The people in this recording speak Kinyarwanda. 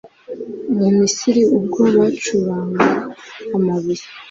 mu Misiri ubwo bacukuraga amabuye